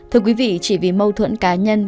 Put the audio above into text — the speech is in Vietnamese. thưa quý vị chỉ vì mâu thuẫn cá nhân